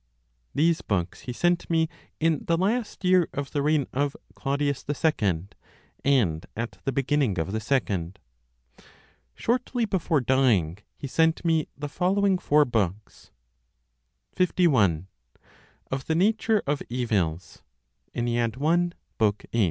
These books he sent me in the last year of the reign of Claudius II, and at the beginning of the second. Shortly before dying, he sent me the following four books: 51. Of the Nature of Evils. i.